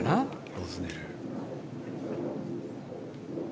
ロズネル。